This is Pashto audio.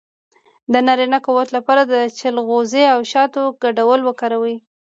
د نارینه قوت لپاره د چلغوزي او شاتو ګډول وکاروئ